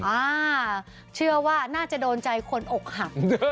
อ่าเชื่อว่าน่าจะโดนใจคนอกหัก